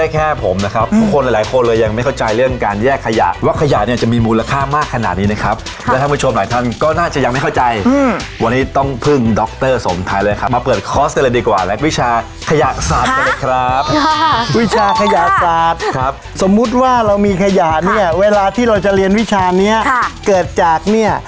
เค้ามีเพื่อนแนะนำว่าต้องไปบูชาไอไข่สิ